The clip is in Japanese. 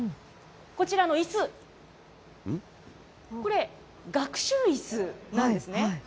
こちらのいす、これ、学習いすなんですね。